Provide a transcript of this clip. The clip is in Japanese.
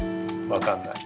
分かんない。